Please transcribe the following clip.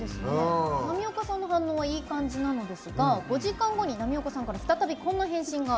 浪岡さんの反応はいい感じなのですが５時間後に浪岡さんから再びこんな返信がきます。